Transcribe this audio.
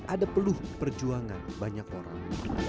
ada peluh perjuangan banyak orang